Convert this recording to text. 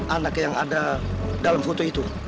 anak yang ada dalam foto itu